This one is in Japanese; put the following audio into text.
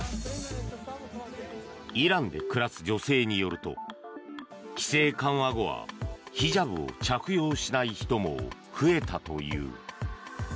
イランで暮らす女性によると規制緩和後はヒジャブを着用しない人も増えたという。